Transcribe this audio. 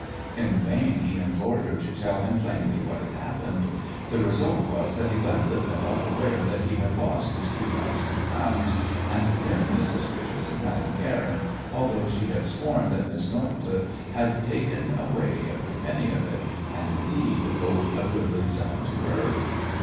In vain he implored her to tell him plainly what had happened. The result was that he left the Villa aware that he had lost his two thousand pounds and dimly suspicious of Madame Guerin, although she had sworn that Miss Northcliffe had taken away every penny of it, and, indeed, owed a goodly sum to her.